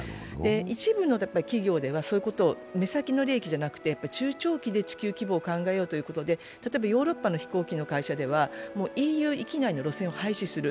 一部の企業ではそういうこと、目先の利益じゃなくて中長期で地球規模を考えようということでヨーロッパではＥＵ域内の路線を廃止する。